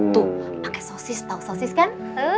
tuh pake sosis tau sosis kan